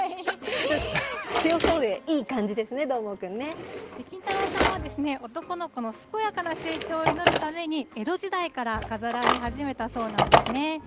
強そうでいい感じですね、金太郎さんはですね、男の子の健やかな成長を祈るために江戸時代から飾られ始めたそうなんですね。